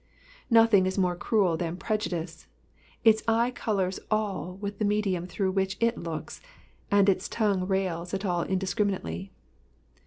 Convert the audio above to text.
Nothing is more cruel than prejudice, ita eye colours all with the medium through which it looks, and its tongue rails at all indis criminately.